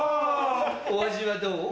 お味はどう？